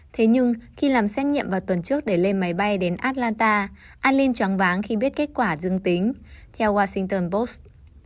thế nhưng khi làm xét nghiệm vào tuần trước để lên máy bay đến atlanta aline chóng váng khi biết kết quả dưng tính theo washington post